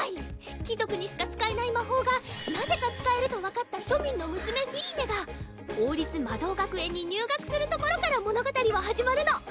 貴族にしか使えない魔法がなぜか使えると分かった庶民の娘フィーネが王立魔導学園に入学するところから物語は始まるの。